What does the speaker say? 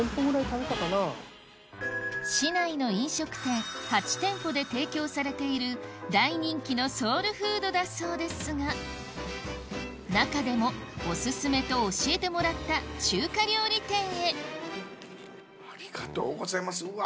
市内の飲食店８店舗で提供されている大人気のソウルフードだそうですが中でもオススメと教えてもらった中華料理店へありがとうございますうわ